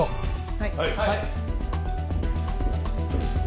はい！